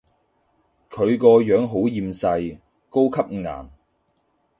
佢個樣好厭世，高級顏